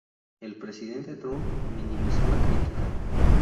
El presidente Trump minimizó la crítica.